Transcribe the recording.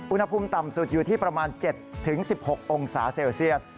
อุณหภูมิต่ำสุดอยู่ที่ประมาณ๗๑๖องศาเซลเซียส